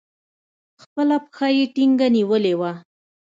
خپله پښه يې ټينگه نيولې وه.